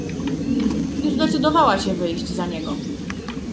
"Już decydowała się wyjść za niego..."